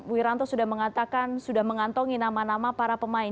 wiranto sudah mengantongi nama nama para pemain